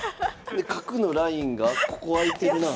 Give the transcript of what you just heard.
で角のラインがここあいてるな。